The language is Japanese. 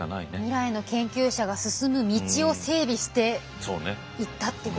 未来の研究者が進む道を整備していったってことですもんね。